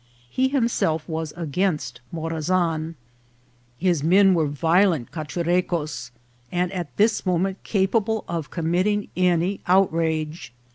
He himself was against Morazan INCIDENTS OP TRAVEL. his men were violent Cachurecos, and at this moment capable of committing any outrage.